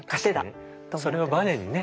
それをバネにね。